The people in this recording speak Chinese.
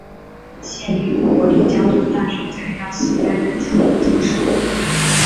现于国立交通大学材料系担任讲座教授。